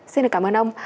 xin cảm ơn ông